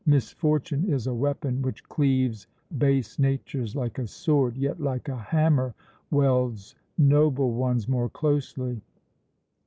Misfortune is a weapon which cleaves base natures like a sword, yet like a hammer welds noble ones more closely.